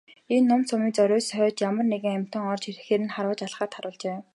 Энэ нум сумыг зориуд сойж ямар нэгэн амьтан орж ирэхэд нь харваж алахаар тааруулжээ.